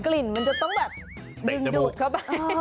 กลิ่นมันจะต้องแบบดึงดูดเข้าไป